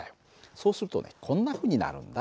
そうするとねこんなふうになるんだ。